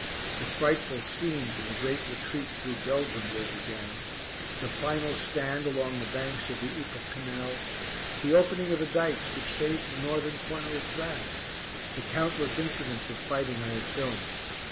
The frightful scenes in the great retreat through Belgium lived again; the final stand along the banks of the Ypres canal; the opening of the dykes, which saved the northern corner of France; the countless incidents of fighting I had filmed.